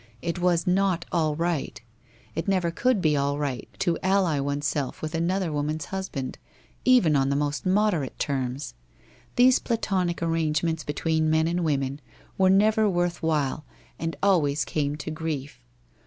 It was not all right. It never could be all right to ally oneself with another woman's husband, even on the most moderate terms. These platonic arrangements between men and women were never worth while and always came to grief.